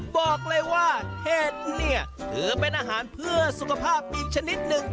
บอกเลยว่าเห็ดเนี่ยถือเป็นอาหารเพื่อสุขภาพอีกชนิดหนึ่ง